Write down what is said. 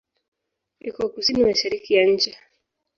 Iko kusini-mashariki ya nchi.